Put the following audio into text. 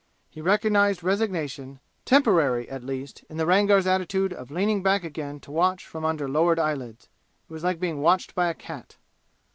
He recognized resignation, temporary at least, in the Rangar's attitude of leaning back again to watch from under lowered eyelids. It was like being watched by a cat.